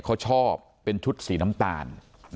เขาชอบเป็นชุดสีน้ำตาล